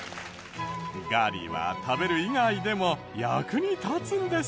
ガリは食べる以外でも役に立つんです。